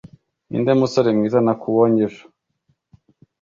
Ninde musore mwiza nakubonye ejo